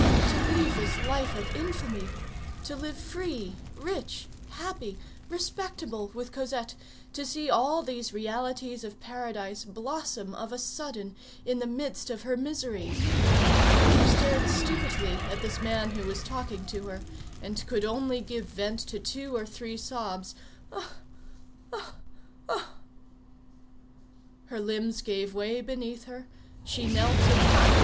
To leave this life of infamy. To live free, rich, happy, respectable with Cosette; to see all these realities of paradise blossom of a sudden in the midst of her misery. She stared stupidly at this man who was talking to her, and could only give vent to two or three sobs, "Oh! Oh! Oh!" Her limbs gave way beneath her, she knelt in front of M.